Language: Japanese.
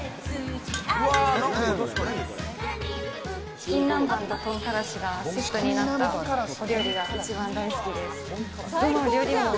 チキン南蛮と豚からしがセットになった料理が一番大好きです。